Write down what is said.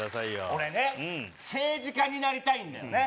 俺ね政治家になりたいんだよね